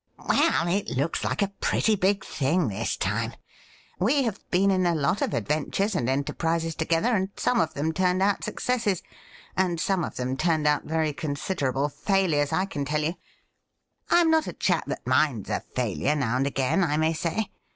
' Well, it looks like a pretty big thing this time. We have been in a lot of adventures and enterprises together, and some of them turned out successes, and some of them tinned out very considerable failures, I can tell you. I am not a chap that minds a failure now and again, I may say.